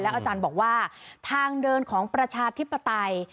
อาจารย์บอกว่าทางเดินของประชาธิปไตย